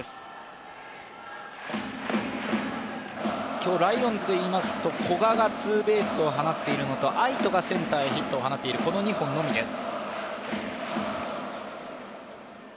今日、ライオンズでいいますと古賀がツーベースを放っているのと、愛斗がセンターへヒットを放っている、この２本のみです。